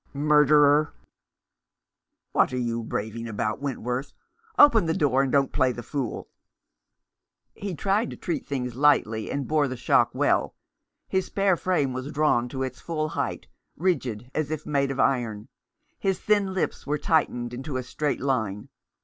Murderer !"" What are you raving about, Wentworth ? Open the door, and don't play the fool !" He tried to treat things lightly, and bore the shock well. His spare frame was drawn to its full height, rigid as if made of iron. His thin lips were tightened into a straight line.